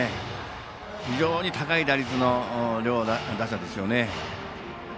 非常に高い打率の両打者ですよね。